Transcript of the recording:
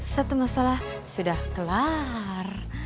satu masalah sudah kelar